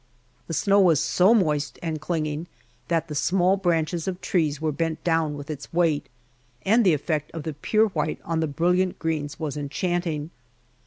The snow was so moist and clinging, that the small branches of trees were bent down with its weight, and the effect of the pure white on the brilliant greens was enchanting.